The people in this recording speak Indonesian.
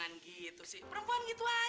aku punya uang